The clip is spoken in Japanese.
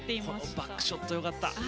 このバックショットよかった！